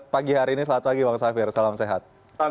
pagi hari ini selamat pagi bang safir salam sehat